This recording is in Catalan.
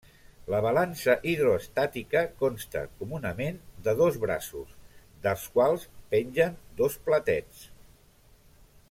La balança hidroestàtica consta comunament de dos braços, dels quals pengen dos platets.